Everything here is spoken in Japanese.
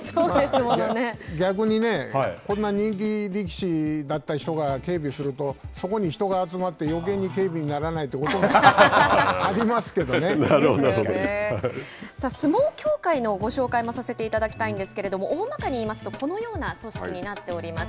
逆にねこんな人気力士だった人が警備をするとそこに人が集まって余計に警備にならないさあ、相撲協会のご紹介もさせていただきたいんですけれども大まかに言いますとこのような組織になっております。